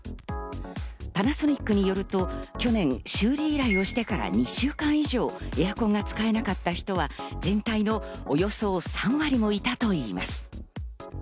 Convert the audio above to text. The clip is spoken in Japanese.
パナソニックによると、去年、修理依頼をしてから２週間以上エアコンが使えなかった人は全体のおよそ３割もいたといいます。